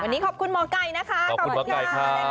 วันนี้ขอบคุณหมอกัยนะคะขอบคุณหมอกัยค่ะ